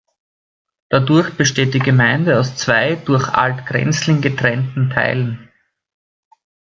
Dadurch besteht die Gemeinde aus zwei durch Alt Krenzlin getrennten Teilen.